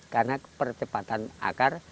karena percepatan akar